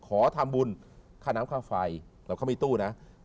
ขอทำบุญค่าน้ำค่าไฟเราก็มีตู้นะ